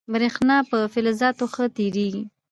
برېښنا په فلزاتو کې ښه تېرېږي.